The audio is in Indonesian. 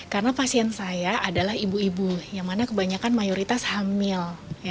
karena pasien saya adalah ibu ibu yang mana kebanyakan mayoritas hamil